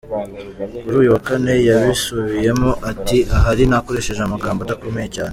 Kuri uyu wa Kane yabisubiyemo ati “Ahari nakoresheje amagambo adakomeye cyane.